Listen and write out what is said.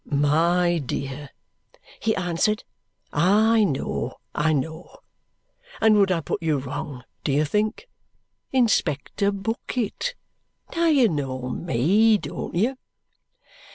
"My dear," he answered, "I know, I know, and would I put you wrong, do you think? Inspector Bucket. Now you know me, don't you?"